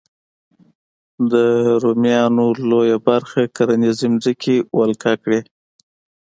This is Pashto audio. د رومیانو لویه برخه کرنیزې ځمکې ولکه کړې.